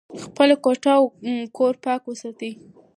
خپله کوټه او کور پاک وساتئ.